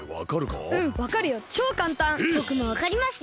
ぼくもわかりました。